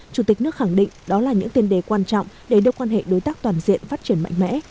chủ tịch nước khẳng định đó là những tiền đề quan trọng để đưa quan hệ đối tác toàn diện phát triển mạnh mẽ